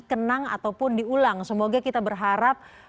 kenang ataupun diulang semoga kita berharap